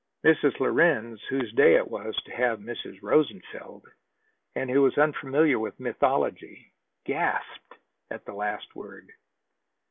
Mrs. Lorenz, whose day it was to have Mrs. Rosenfeld, and who was unfamiliar with mythology, gasped at the last word.